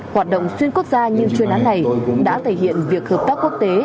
hoạt động xuyên quốc gia như chuyên án này đã thể hiện việc hợp tác quốc tế